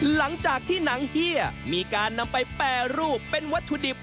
หลังจากที่หนังเฮียมีการนำไปแปรรูปเป็นวัตถุดิบ